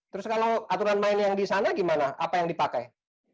terus kalau aturan main yang di sana gimana apa yang dipakai